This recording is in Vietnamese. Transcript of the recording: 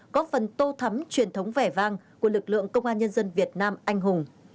góp phần tô thắm truyền thống vẻ vang của lực lượng công an nhân dân việt nam anh hùng